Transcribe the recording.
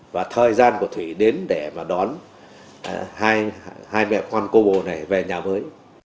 và thời gian của thủy đến để mà đón hai mẹ con cô bồ này về nhà với